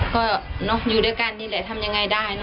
อ๋อก็เนอะอยู่ด้วยกันนี่แหละทำยังไงได้เนอะอืม